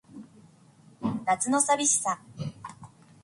夏の淋しさ